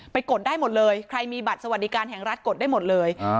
กดได้หมดเลยใครมีบัตรสวัสดิการแห่งรัฐกดได้หมดเลย